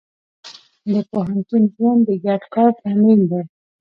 د پوهنتون ژوند د ګډ کار تمرین دی.